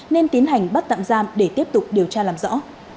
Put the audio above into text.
nên tiến hành bắt tạm giam để tiếp tục điều tra làm rõ